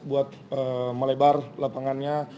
untuk melebar lapangannya